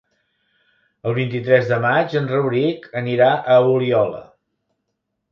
El vint-i-tres de maig en Rauric anirà a Oliola.